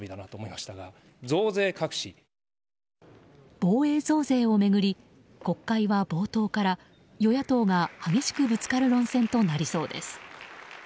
防衛増税を巡り国会は冒頭から与野党が激しくぶつかる論戦となりそうです。